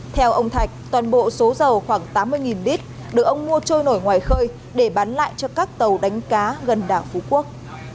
theo ông thạch toàn bộ số dầu khoảng tám mươi lít được ông mua trôi nổi ngoài khơi để bán lại cho các tàu đánh cá gần đảo phú quốc